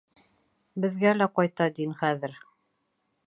Беҙгә лә ҡайта дин хәҙер.